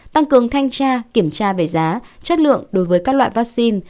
tăng cường thanh tra kiểm tra về giá chất lượng đối với các loại vaccine